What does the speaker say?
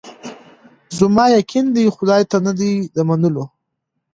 زما یقین دی خدای ته نه دی د منلو